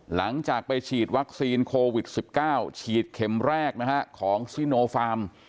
หลังจากไปฉีดวัคซีนโควิด๑๙ฉีดเข็มแรกนะฮะของซิโนฟาร์ม